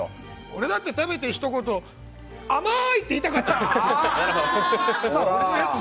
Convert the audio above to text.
俺だって、食べてひと言甘ーいって言いたかった！